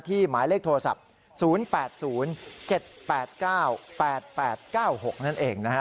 หมายเลขโทรศัพท์๐๘๐๗๘๙๘๘๙๖นั่นเองนะฮะ